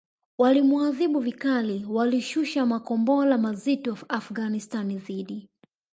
walimuadhibu vikali Walishusha makombora mazito Afghanistan dhidi